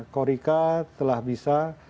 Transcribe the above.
korika telah bisa